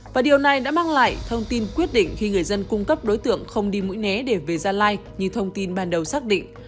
và điều này đã mang lại thông tin quyết định khi người dân cung cấp đối tượng không đi mũi né để về gia lai như thông tin ban đầu xác định